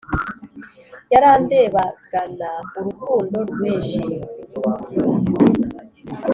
Yarandebagana urukundo rwinshi